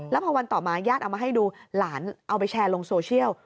แล้วพอวันต่อมาญาติเอามาให้ดูหลานเอาไปแชร์ลงโซเชียล